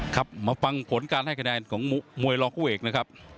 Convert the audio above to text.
ครับมาฟังผลการให้คะแนนของมวยรองคู่เอกนะครับ